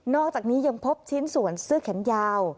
อกจากนี้ยังพบชิ้นส่วนเสื้อแขนยาว